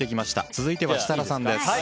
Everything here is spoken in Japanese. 続いては設楽さんです。